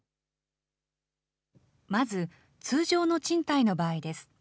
まず通常の賃貸の場合です。